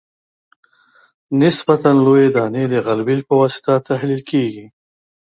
نسبتاً لویې دانې د غلبیل په واسطه تحلیل کیږي